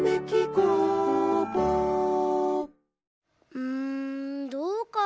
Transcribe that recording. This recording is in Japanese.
うんどうかな。